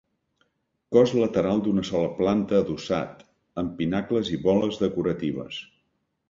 Cos lateral d'una sola planta adossat, amb pinacles i boles decoratives.